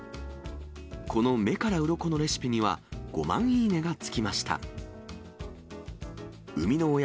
この目からうろこのレシピには、５万いいねがつきました。